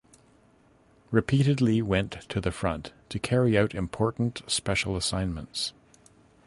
Repeatedly went to the front to carry out important special assignments.